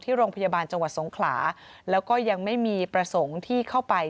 โรงพยาบาลจังหวัดสงขลาแล้วก็ยังไม่มีประสงค์ที่เข้าไป